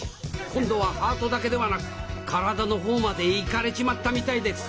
今度はハートだけではなく体の方までいかれちまったみたいです